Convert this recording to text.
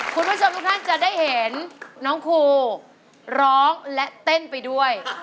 คุณผู้ชมทุกท่านจะได้เห็นน้องครูร้องและเต้นไปด้วย